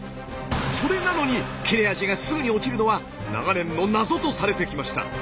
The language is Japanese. それなのに切れ味がすぐに落ちるのは長年の謎とされてきました。